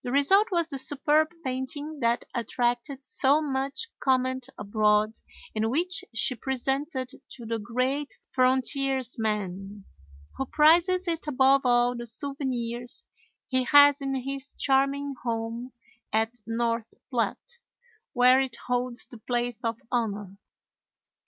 The result was the superb painting that attracted so much comment abroad, and which she presented to the great frontiersman, who prizes it above all the souvenirs he has in his charming home at North Platte, where it holds the place of honor.